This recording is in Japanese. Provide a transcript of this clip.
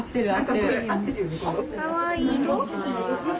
かわいい。